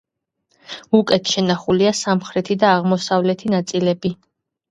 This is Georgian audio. უკეთ შენახულია სამხრეთი და აღმოსავლეთი ნაწილები.